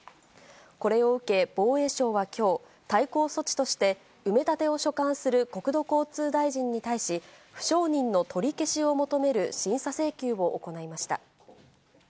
これを受け、防衛省はきょう、対抗措置として、埋め立てを所管する国土交通大臣に対し、不承認の取り消しを求める審査請求を行いました。